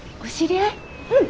うん。